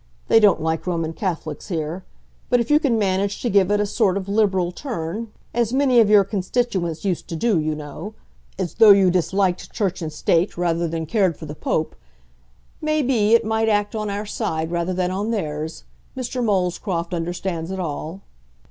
They don't like Roman Catholics here; but if you can manage to give it a sort of Liberal turn, as many of your constituents used to do, you know, as though you disliked Church and State rather than cared for the Pope, may be it might act on our side rather than on theirs. Mr. Molescroft understands it all."